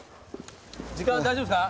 時間大丈夫ですか？